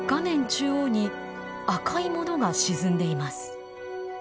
中央に赤いものが沈んでいます。